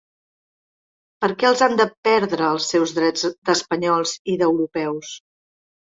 Per què els han de perdre, els seus drets d’espanyols i d’europeus?